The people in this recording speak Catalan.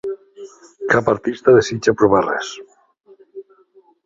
Cap artista desitja provar res.